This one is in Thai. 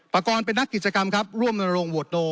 ประกอบเป็นนักกิจกรรมครับร่วมนรงโหวตโน